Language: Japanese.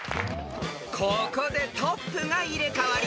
［ここでトップが入れ替わり］